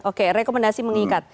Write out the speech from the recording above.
oke rekomendasi mengikat